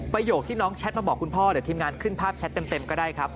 โยคที่น้องแชทมาบอกคุณพ่อเดี๋ยวทีมงานขึ้นภาพแชทเต็มก็ได้ครับ